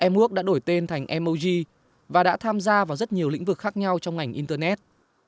em úc đã đổi tên thành mog và đã tham gia vào rất nhiều lĩnh vực khác nhau trong ngành internet